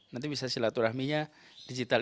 nanti bisa silaturahminya digital